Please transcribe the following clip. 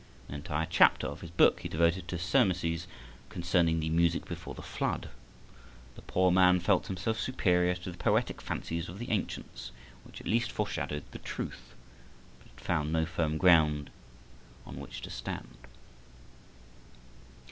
An entire chapter of his book he devoted to surmises concerning the "Music before the Flood." The poor man felt himself superior to the poetic fancies of the ancients, which at least foreshadowed the Truth, but had found no firm ground on which to stand.